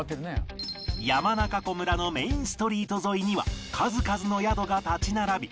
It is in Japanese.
山中湖村のメインストリート沿いには数々の宿が立ち並び